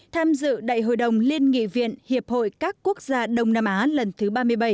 tham dự đại hội đồng liên nghị viện hiệp hội các quốc gia đông nam á lần thứ ba mươi bảy